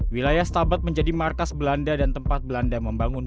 wilayah stabat menjadi markas belanda dan tempat belanda membangun